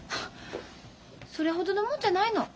それほどのもんじゃないの。